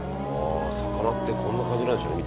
「魚ってこんな感じなんでしょうね」